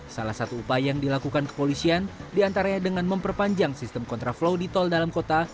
salah satu upaya yang dilakukan kepolisian diantaranya dengan memperpanjang sistem kontraflow di tol dalam kota